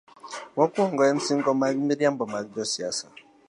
Mokwongo en singo mag miriambo mag josiasa.